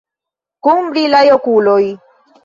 Kun brilaj okuloj!